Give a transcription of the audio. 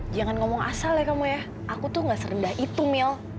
jangan ngomong asal ya kamu ya aku tuh gak serendah itu mil